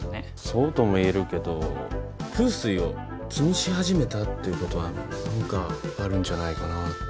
そうとも言えるけど風水を気にし始めたっていうことは何かあるんじゃないかな。